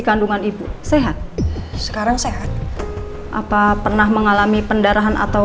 kandungan ibu sehat sekarang sehat apa pernah mengalami pendarahan atau